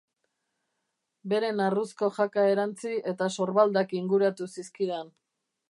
Bere narruzko jaka erantzi eta sorbaldak inguratu zizkidan.